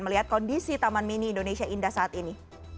melihat kondisi taman mini indonesia indah saat ini